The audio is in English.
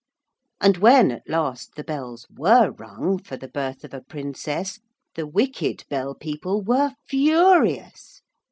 And when at last the bells were rung for the birth of a Princess the wicked Bell people were furious.